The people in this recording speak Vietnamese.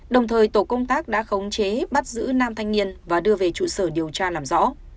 đồng thời tổ công tác đã khống chế bắt giữ nam thanh niên và đưa về trụ sở điều tra làm rõ